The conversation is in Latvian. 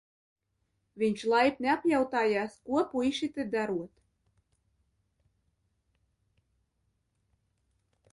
Viņš laipni apjautājās, ko puiši te darot.